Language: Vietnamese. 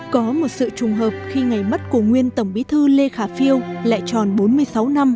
có một sự trùng hợp khi ngày mất của nguyên tổng bí thư lê khả phiêu lại tròn bốn mươi sáu năm